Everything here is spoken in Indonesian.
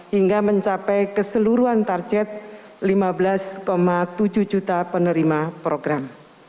hingga mencapai keseluruhan target lima belas tujuh juta penerima program